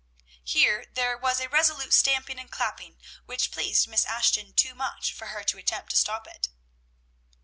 Here there was a resolute stamping and clapping, which pleased Miss Ashton too much for her to attempt to stop it.